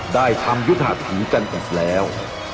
ได้ทำยุทธาถีกันอีกแล้ว